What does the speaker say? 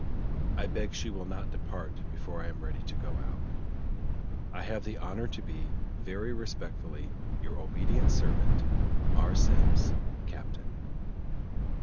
I beg she will not depart before I am ready to go out. "I have the honor to be "Very respectfully, "Your obedient servant, "R. SEMMES, "Captain."